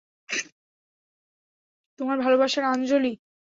তোমার ভালোবাসার আঞ্জলি।